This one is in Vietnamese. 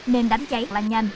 nên đánh cháy lăn nhanh